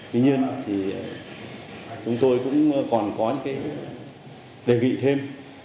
tuy nhiên chúng tôi còn có đề nghị thêm